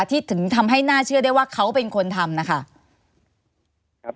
ถึงทำให้น่าเชื่อได้ว่าเขาเป็นคนทำนะคะ